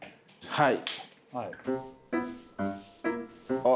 はい。